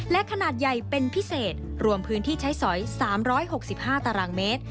และขนาดใหญ่เป็นพิเศษรวมพื้นที่ใช้สอย๓๖๕ตารางเมตร